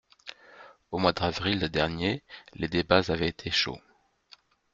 Au mois d’avril dernier, les débats avaient été chauds.